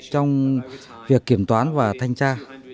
trong việc kiểm toán và thanh tra